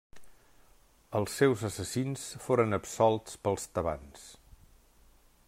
Els seus assassins foren absolts pels tebans.